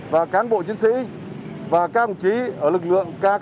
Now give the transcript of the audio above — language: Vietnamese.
và cán bộ chiến sĩ và các đồng chí ở lực lượng k hai